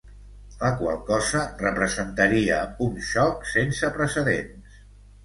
La qual cosa representaria un xoc sense precedents.